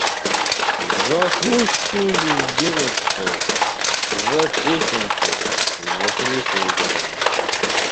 – За сущую безделицу: за песенку, Василиса Егоровна.